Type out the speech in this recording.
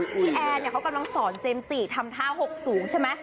พี่แอร์เนี่ยเขากำลังสอนเจมส์จิทำท่าหกสูงใช่ไหม